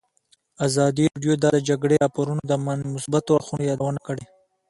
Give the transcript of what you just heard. ازادي راډیو د د جګړې راپورونه د مثبتو اړخونو یادونه کړې.